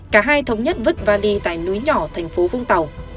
cả hai thống nhất vứt vali tại núi nhỏ thành phố vũng tàu